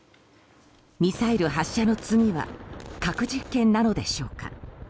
ミサイル発射の次は核実験なのでしょうか。